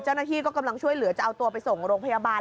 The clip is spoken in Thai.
เจ้าหน้าที่ก็กำลังช่วยเหลือจะเอาตัวไปส่งโรงพยาบาล